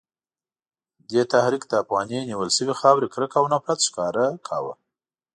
دې تحریک د افغاني نیول شوې خاورې کرکه او نفرت ښکاره کاوه.